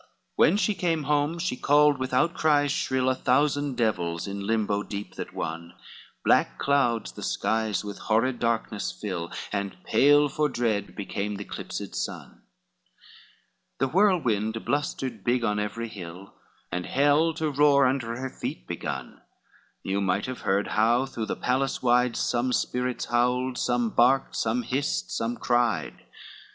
LXVII When she came home, she called with outcries shrill, A thousand devils in Limbo deep that won, Black clouds the skies with horrid darkness fill, And pale for dread became the eclipsed sun, The whirlwind blustered big on every hill, And hell to roar under her feet begun, You might have heard how through the palace wide, Some spirits howled, some barked, some hissed, some cried.